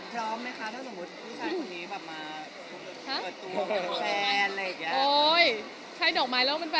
พร้อมไหมคะถ้าสมมติผู้ชายคนนี้แบบมา